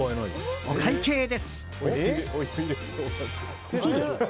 お会計です。